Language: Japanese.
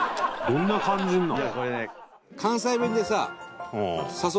どんな感じなの？